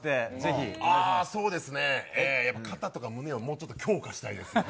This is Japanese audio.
やっぱり肩とか胸をもうちょっと強化したいですよね。